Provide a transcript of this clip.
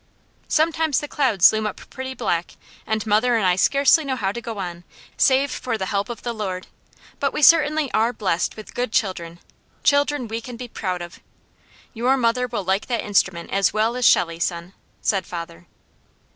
"Sometimes the clouds loom up pretty black, and mother and I scarcely know how to go on, save for the help of the Lord, but we certainly are blest with good children, children we can be proud of. Your mother will like that instrument as well as Shelley, son," said father.